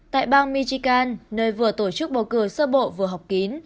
tại bang michikan nơi vừa tổ chức bầu cử sơ bộ vừa học kín